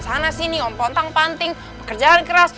sana sini omplontang panting pekerjaan keras